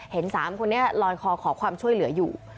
เห็น๓คุณเนี่ยรอยคอขอความช่วยเหลืออยู่